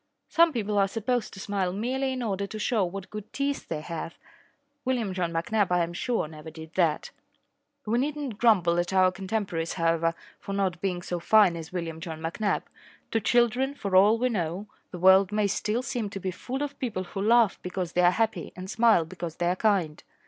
Some people are supposed to smile merely in order to show what good teeth they have. William John McNabb, I am sure, never did that. We need not grumble at our contemporaries, however, for not being so fine as William John McNabb. To children, for all we know, the world may still seem to be full of people who laugh because they are happy and smile because they are kind.